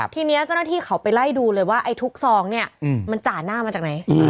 ทีนี้เจ้าหน้าที่เขาไปไล่ดูเลยว่าไอ้ทุกซองเนี่ยมันจ่าหน้ามาจากไหน